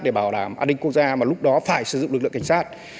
để bảo đảm an ninh quốc gia mà lúc đó phải sử dụng lực lượng cảnh sát